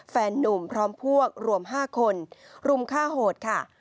แฟนนุ่มพร้อมพวกรวม๕คนรุมฆ่าโหดค่ะ